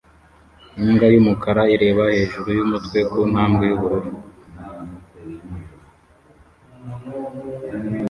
Imbwa yumukara ireba hejuru yumutwe ku ntambwe yubururu